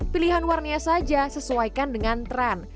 pilihan warnanya saja sesuaikan dengan tren